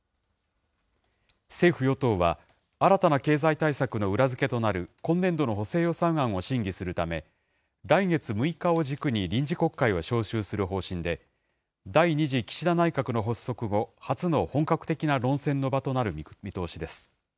政府・与党は、新たな経済対策の裏付けとなる今年度の補正予算案を審議するため、来月６日を軸に、臨時国会を召集する方針で、第２次岸田内閣の発足後、初の本格的な論戦の場となる見通しです。